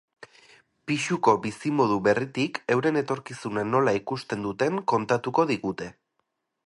Pisuko bizimodu berritik euren etorkizuna nola ikusten duten kontatuko digute.